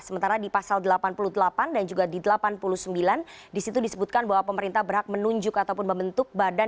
sementara di pasal delapan puluh delapan dan juga di delapan puluh sembilan disitu disebutkan bahwa pemerintah berhak menunjuk ataupun membentuk badan